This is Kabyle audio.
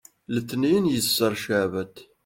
letniyen yesser ceɛbet